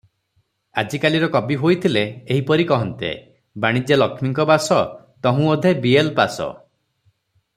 ଆଜିକାଲିର କବି ହୋଇ ଥିଲେ, ଏହିପରି କହନ୍ତେ -''ବାଣିଜ୍ୟେ ଲକ୍ଷ୍ମୀଙ୍କ ବାସ, ତହୁଁ ଅଧେ ବି ଏଲ୍ ପାଶ''